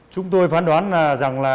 chúng tôi phán đoán